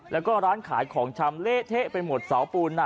แล้วก็ร้านขายของชำเละเทะไปหมดเสาปูน